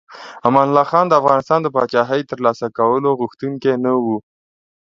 امان الله خان د افغانستان د پاچاهۍ د ترلاسه کولو غوښتونکی نه و.